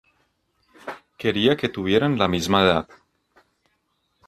Quería que tuvieran la misma edad.